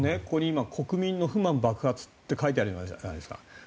国民の不満爆発って書いてあるじゃないですか。